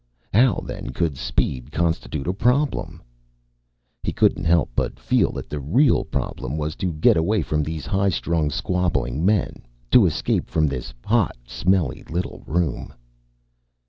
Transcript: How, then, could speed constitute a problem? He couldn't help but feel that the real problem was to get away from these high strung, squabbling men, to escape from this hot, smelly little room.